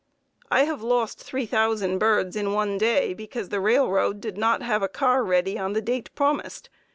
I have lost 3,000 birds in one day because the railroad did not have a car ready on the date promised.